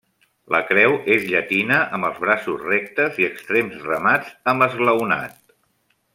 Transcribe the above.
La creu és llatina amb els braços rectes i extrems remats amb esglaonat.